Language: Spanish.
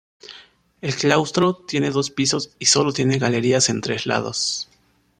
El claustro tiene dos pisos y sólo tiene galerías en tres lados.